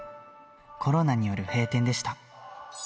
コロナによる閉店でした。